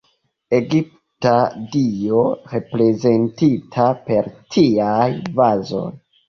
Egipta dio reprezentita per tiaj vazoj.